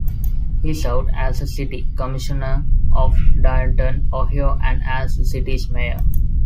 He served as a city commissioner of Dayton, Ohio, and as the city's mayor.